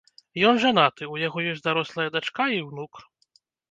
Ён жанаты, у яго ёсць дарослая дачка і ўнук.